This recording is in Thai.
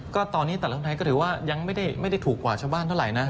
ก็ตอนนี้แต่ละไทยก็ถือว่ายังไม่ได้ถูกกว่าชาวบ้านเท่าไหร่นะ